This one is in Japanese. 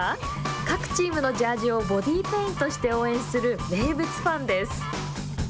各チームのジャージをボディーペイントして応援する名物ファンです。